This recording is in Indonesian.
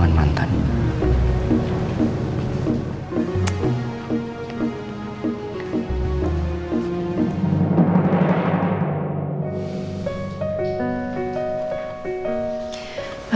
gak ada bj